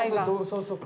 そうそう。